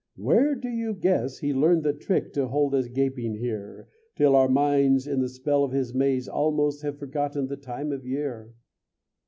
Where do you guess he learned the trick To hold us gaping here, Till our minds in the spell of his maze almost Have forgotten the time of year?